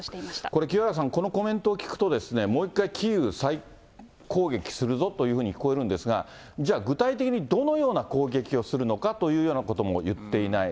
これ、清原さん、このコメントを聞くとですね、もう一回、キーウ再攻撃するぞというふうに聞こえるんですが、じゃあ具体的にどのような攻撃をするのかというようなことも言っていない。